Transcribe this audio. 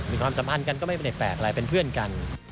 ความสัมพันธ์กันก็ไม่ได้แปลกอะไรเป็นเพื่อนกัน